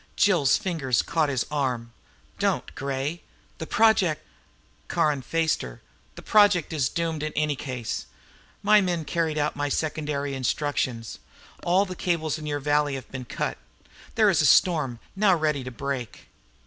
Jill's fingers caught his arm. "Don't, Gray! The Project...." Caron faced her. "The Project is doomed in any case. My men carried out my secondary instructions. All the cables in your valley have been cut. There is a storm now ready to break.